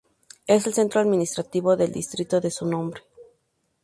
Es el centro administrativo del distrito de su nombre.